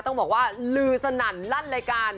ต้องบอกว่าลือสนั่นลั่นรายการ